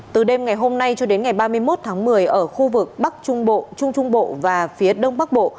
từ đêm ngày hôm nay cho đến ngày ba mươi một tháng một mươi ở khu vực bắc trung bộ trung trung bộ và phía đông bắc bộ